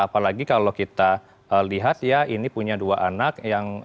apalagi kalau kita lihat ya ini punya dua anak yang